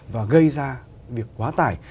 và gây ra việc quá tải